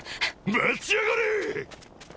待ちやがれ！